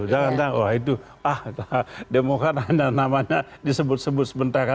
jangan wah itu ah demokrasi namanya disebut sebut sebentar aja